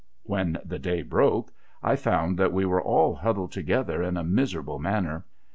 ' When the day broke, I found that we were all huddled together in a miserable manner.